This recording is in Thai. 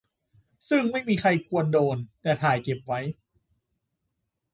ซึ่งไม่มีใครควรโดน แต่ถ่ายเก็บไว้